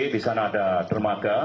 di sana ada dermaga